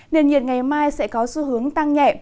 nền nhiệt ngày mai sẽ có xu hướng tăng nhẹ